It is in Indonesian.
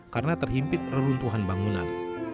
karena terhimpit reruntuhan bangunan